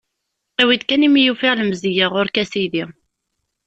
Awi-d kan imi i ufiɣ lemzeyya ɣur-k, a sidi.